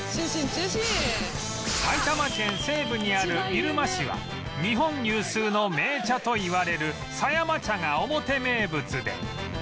埼玉県西部にある入間市は日本有数の銘茶といわれる狭山茶がオモテ名物で